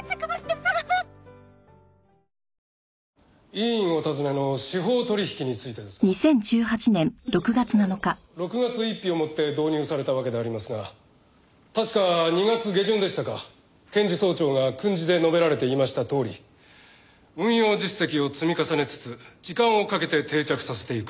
委員お尋ねの司法取引についてですがついに先頃６月１日をもって導入されたわけでありますが確か２月下旬でしたか検事総長が訓示で述べられていましたとおり「運用実績を積み重ねつつ時間をかけて定着させていく」